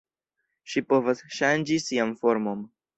Ŝi povas ŝanĝi sian formon.